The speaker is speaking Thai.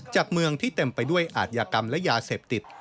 จากเมืองที่เต็มไปด้วยอาทยากรรมและยาเสพติด